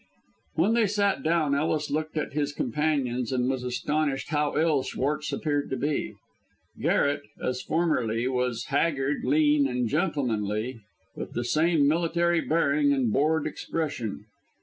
When they sat down Ellis looked at his companions, and was astonished how ill Schwartz appeared to be. Garret, as formerly, was haggard, lean and gentlemanly, with the same military bearing and bored expression.